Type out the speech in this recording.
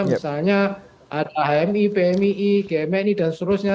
misalnya ada hmi pmii gmi dan seterusnya